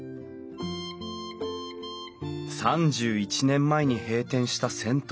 ３１年前に閉店した銭湯。